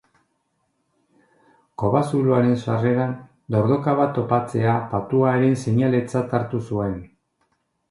Kobazuloaren sarreran dordoka bat topatzea patuaren seinaletzat hartu zuen.